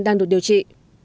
đang được điều trị